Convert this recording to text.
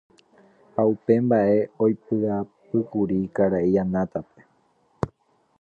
ha upe mba'e oipy'apýkuri karai Anatápe.